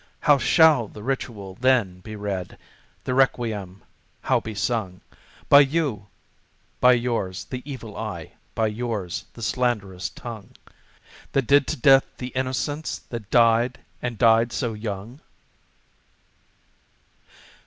"How shall the ritual, then, be read? the requiem how be sung "By you by yours, the evil eye, by yours, the slanderous tongue "That did to death the innocence that died, and died so young?"